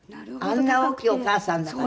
あんな大きいお母さんだから。